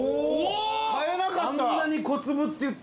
塙：変えなかった！